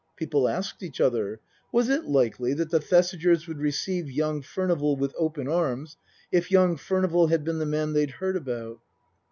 People asked each other : Was it likely that the Thesigers would receive young Furnival with open arms if young Furnival had been the man they'd heard about